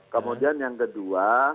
kemudian yang kedua